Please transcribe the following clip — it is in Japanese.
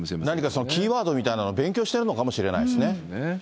何かキーワードみたいなものを勉強してるのかもしれないですね。